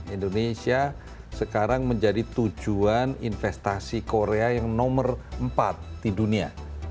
indonesia sekarang menjadi tujuan investasi korea yang nomor empat di dunia